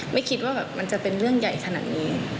ไม่คิดว่ามันจะเป็นเรื่องใหญ่ขนาดนี้